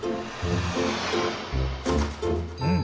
うん。